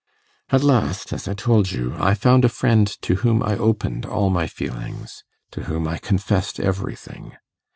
At last, as I told you, I found a friend to whom I opened all my feelings to whom I confessed everything.